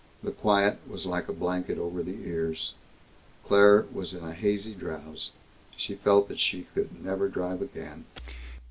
The quiet was like a blanket over the ears. Claire was in a hazy drowse. She felt that she could never drive again.